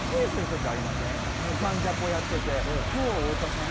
「サンジャポ」やってて。